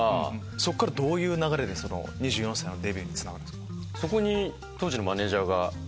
そこからどういう流れで２４歳のデビューにつながるんですか？